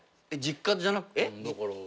実家じゃなくえっ？